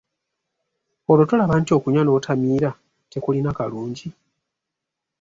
Olwo tolaba nti okunywa n'otamiira tekulina kalungi?